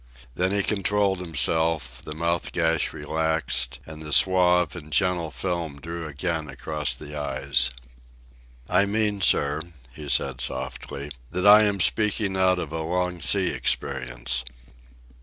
Then he controlled himself, the mouth gash relaxed, and the suave and gentle film drew again across the eyes. "I mean, sir," he said softly, "that I am speaking out of a long sea experience.